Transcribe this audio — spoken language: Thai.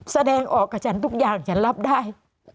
แสดงออกกับฉันทุกอย่างฉันรับได้